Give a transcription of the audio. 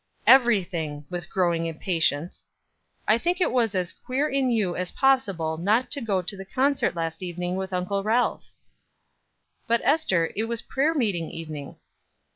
"Everything," with growing impatience. "I think it was as queer in you as possible not to go to the concert last evening with Uncle Ralph?" "But, Ester, it was prayer meeting evening."